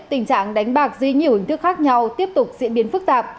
tình trạng đánh bạc dưới nhiều hình thức khác nhau tiếp tục diễn biến phức tạp